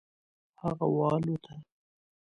هغه والوته.